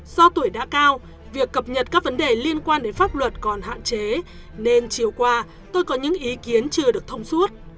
do tuổi đã cao việc cập nhật các vấn đề liên quan đến pháp luật còn hạn chế nên chiều qua tôi có những ý kiến chưa được thông suốt